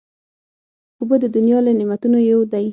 اوبه د دنیا له نعمتونو یو دی.